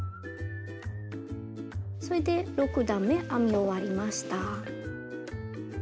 それで６段め編み終わりました。